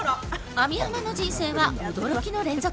網浜の人生は、驚きの連続。